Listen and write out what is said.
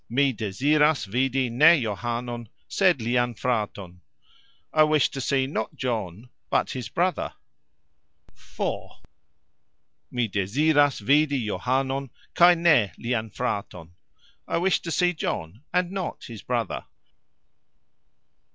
"Mi deziras vidi ne Johanon, sed lian fraton", I wish to see not John, but his brother. (iv.). "Mi deziras vidi Johanon kaj ne lian fraton", I wish to see John and not his brother.